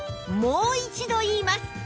もう一度言います